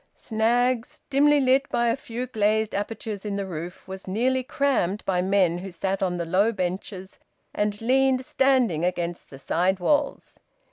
Snaggs', dimly lit by a few glazed apertures in the roof, was nearly crammed by men who sat on the low benches and leaned standing against the sidewalls.